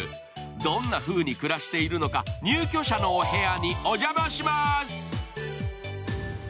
どんなふうに暮らしているのか入居者のお部屋にお邪魔します。